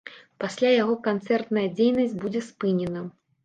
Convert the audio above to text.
Пасля яго канцэртная дзейнасць будзе спынена.